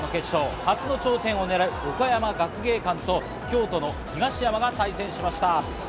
初の頂点をねらう岡山学芸館と京都の東山が対戦しました。